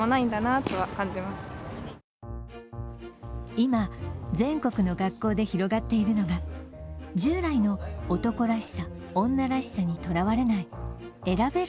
今、全国の学校で広がっているのが従来の男らしさ、女らしさにとらわれない選べる